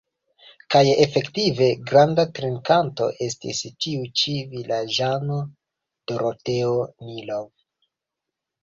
Kaj efektive, granda drinkanto estis tiu ĉi vilaĝano, Doroteo Nilov.